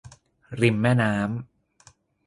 ริมแม่น้ำ